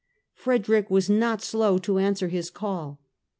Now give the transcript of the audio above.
Frederick was not slow to answer to his call.